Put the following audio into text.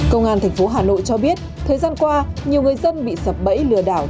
công an thành phố hà nội cho biết thời gian qua nhiều người dân bị sập bẫy lừa đảo